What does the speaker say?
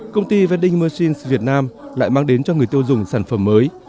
công ty vending machiness việt nam lại mang đến cho người tiêu dùng sản phẩm mới